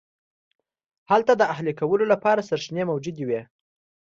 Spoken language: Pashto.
هلته د اهلي کولو لپاره سرچینې موجودې وې.